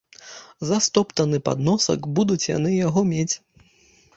За стоптаны падносак будуць яны яго мець.